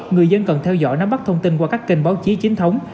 người dân cần theo dõi nắm bắt thông tin qua các kênh báo chí chính thống